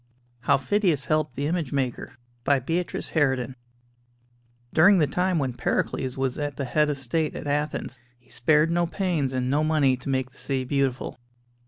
HOW PHIDIAS HELPED THE IMAGE MAKER By Beatrice Harraden During the time when Pericles was at the head of the state at Athens he spared no pains and no money to make the city beautiful.